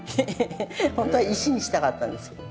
ホントは石にしたかったんですけど。